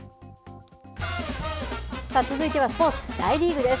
さあ続いてはスポーツ、大リーグです。